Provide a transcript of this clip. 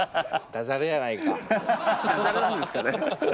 ダジャレなんですかね。